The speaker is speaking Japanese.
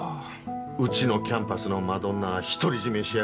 うちのキャンパスのマドンナ独り占めしやがって。